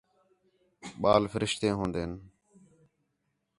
ٻال فرشتے ہون٘دین